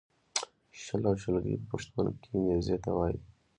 شل او شلګی په پښتو کې نېزې ته وایې